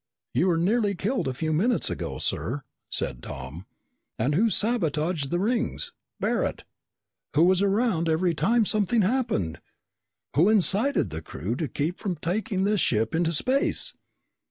"You were nearly killed a few minutes ago, sir," said Tom. "And who sabotaged the rings? Barret! Who was around every time something happened? Who incited the crew to keep from taking this ship into space?